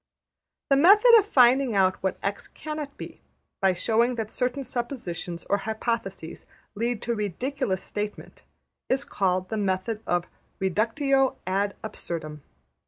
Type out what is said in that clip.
'' The method of finding out what $x$ cannot be, by showing that certain suppositions or hypotheses lead to a ridiculous statement, is called the method of \emph{reductio ad absurdum}.